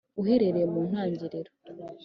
uhereye mu ntangiriro ...